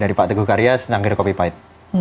dari pak teguh karya sengkir kopi pait